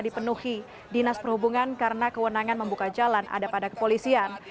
dipenuhi dinas perhubungan karena kewenangan membuka jalan ada pada kepolisian